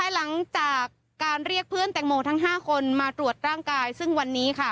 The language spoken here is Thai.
หลังจากการเรียกเพื่อนแตงโมทั้ง๕คนมาตรวจร่างกายซึ่งวันนี้ค่ะ